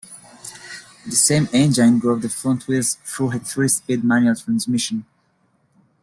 The same engine drove the front wheels through a three-speed manual transmission.